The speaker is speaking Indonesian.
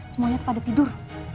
semuanya pada tidur